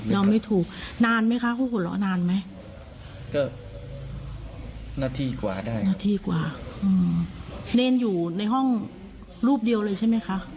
ร้องหลวงรูปเดียวเลยใช่ไหมคะ